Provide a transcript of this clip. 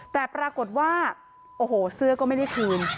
แต่ปรากฏว่าโอ้โหเสื้อก็ไม่ได้คืน